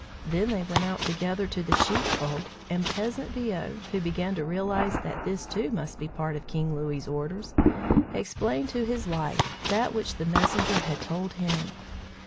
Then they went out together to the sheepfold, and peasant Viaud, who began to realize that this, too, must be part of King Louis's orders, explained to his wife that which the messenger had told him.